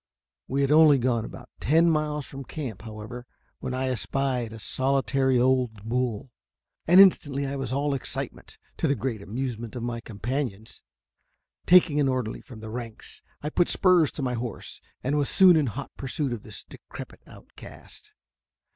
We had gone only about ten miles from camp, however, when I espied a solitary old bull, and instantly I was all excitement, to the great amusement of my companions. Taking an orderly from the ranks, I put spurs to my horse, and was soon in hot pursuit of this decrepit outcast.